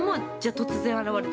◆突然現れた。